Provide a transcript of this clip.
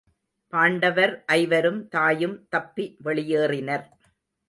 பாண்டவர் ஐவரும் தாயும் தப்பி வெளியேறினர்.